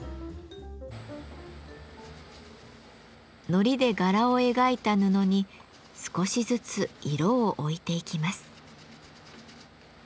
のりで柄を描いた布に少しずつ色を置いていきます。